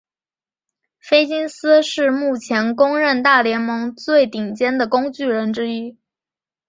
菲金斯是目前公认大联盟最顶尖的工具人之一。